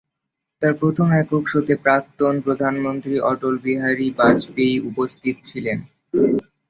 তার প্রথম একক শোতে প্রাক্তন প্রধানমন্ত্রী অটল বিহারী বাজপেয়ী উপস্থিত ছিলেন।